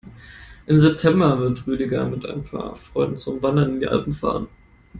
Im September wird Rüdiger mit ein paar Freunden zum Wandern in die Alpen fahren.